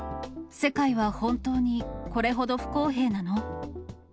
世界は本当にこれほど不公平なの？